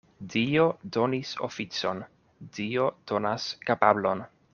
Dio donis oficon, Dio donas kapablon.